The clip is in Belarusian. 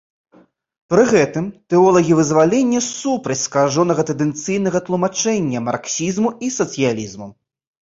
Пры гэтым тэолагі вызвалення супраць скажонага тэндэнцыйнага тлумачэння марксізму і сацыялізму.